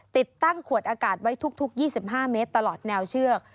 ติดตั้งขวดอากาศไว้ทุก๒๕เมตรตลอดแนวเชือก